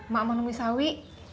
mak mau nemu sawi